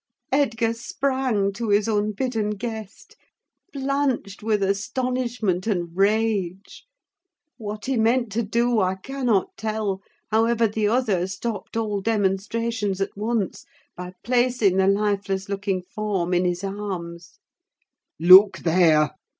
Edgar sprang to his unbidden guest, blanched with astonishment and rage. What he meant to do I cannot tell; however, the other stopped all demonstrations, at once, by placing the lifeless looking form in his arms. "Look there!"